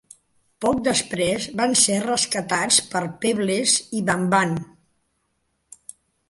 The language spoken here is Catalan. Poc després van ser rescatats per Pebbles i Bamm Bamm.